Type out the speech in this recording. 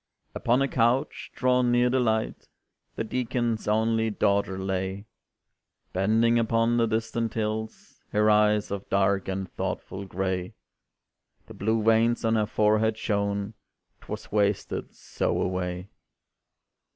Upon a couch drawn near the light, The Deacon's only daughter lay, Bending upon the distant hills Her eyes of dark and thoughtful gray; The blue veins on her forehead shone 'Twas wasted so away.